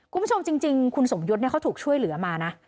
คุณผู้ชมจริงคุณสมยศเขาถูกช่วยเหลือมานะ